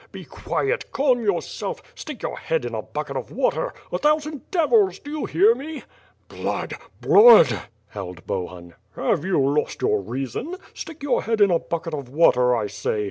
Be quiet! Calm yourself. Stick your head in a bucket of water. A thousand devils! — do you hear me?" "Blood! Blood!" howled Bohun. "Have you lost your reason? Stick your head in a bucket of water, I say.